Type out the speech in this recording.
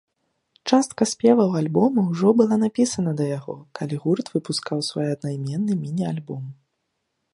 Частка спеваў альбома ўжо была напісана да яго, калі гурт выпускаў свой аднаймены міні-альбом.